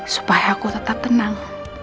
supaya aku tetap tenang